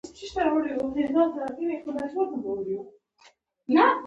پر هر پاټک د بېلو بېلو ليډرانو عکسونه مښتي دي.